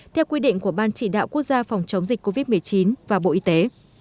theo quy định của ban chỉ đạo quốc gia phòng chống dịch covid một mươi chín và bộ y tế